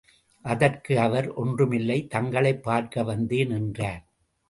அதற்கு அவர், ஒன்றுமில்லை, தங்களைப் பார்க்க வந்தேன்! என்றார்.